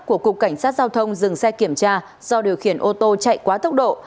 của cục cảnh sát giao thông dừng xe kiểm tra do điều khiển ô tô chạy quá tốc độ